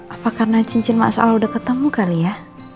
apa karena cincin mas al udah ketemu kali ya